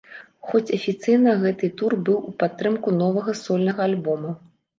Хоць афіцыйна гэты тур быў у падтрымку новага сольнага альбома.